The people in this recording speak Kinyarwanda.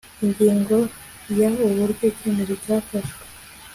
Ingingo ya Uburyo icyemezo cyafashwe